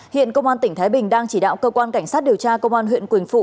hiện công an tỉnh thái bình đang chỉ đạo cơ quan cảnh sát điều tra công an huyện quỳnh phụ